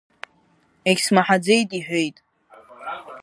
Егьсмаҳаӡеит иҳәеит.